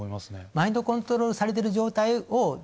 マインドコントロールされてる。